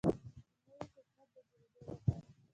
د نوي حکومت د جوړیدو لپاره